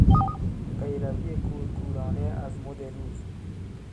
پیروی کورکورانه از مد روز